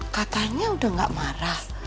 katanya udah gak marah